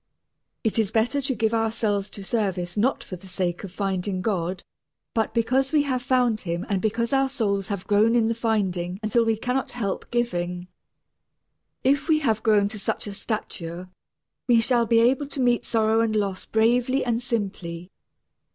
It is better to give ourselves to service not for the sake of finding God, but because we have found Him and because our souls have grown in the finding until we cannot help giving. If we have grown to such a stature we shall be able to meet sorrow and loss bravely and simply.